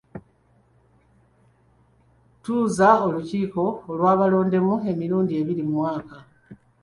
Tutuuza olukiiko lw'abalondebwa emirundi ebiri mu mwaka.